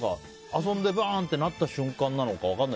遊んでバーンってなった瞬間なのか